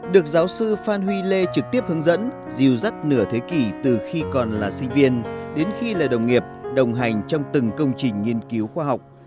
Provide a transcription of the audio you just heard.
được giáo sư phan huy lê trực tiếp hướng dẫn dìu dắt nửa thế kỷ từ khi còn là sinh viên đến khi là đồng nghiệp đồng hành trong từng công trình nghiên cứu khoa học